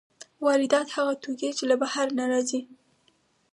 واردات هغه توکي دي چې له بهر نه راځي.